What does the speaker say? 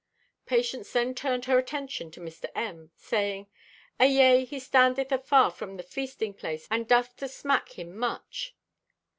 Patience then turned her attention to Mr. M., saying: "Ayea, he standeth afar from the feasting place and doth to smack him much!"